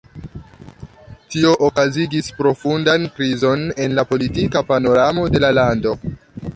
Tio okazigis profundan krizon en la politika panoramo de la lando.